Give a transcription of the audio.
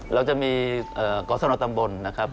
เราจะมีกรสนตำบลนะครับ